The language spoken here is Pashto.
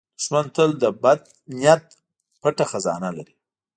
دښمن تل د بد نیت پټ خزانه لري